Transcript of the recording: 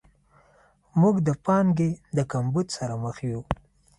موږ د پانګې د کمبود سره مخ یو.